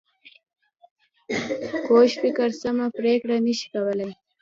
کوږ فکر سمه پرېکړه نه شي کولای